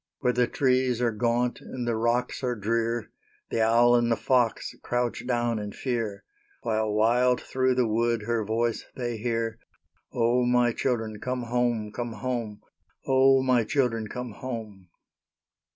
Where the trees are gaunt and the rocks are drear, The owl and the fox crouch down in fear, While wild through the wood her voice they hear, "O, my children, come home, come home! O, my children, come home!"